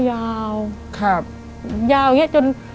ยาวอย่างเงี้ยจน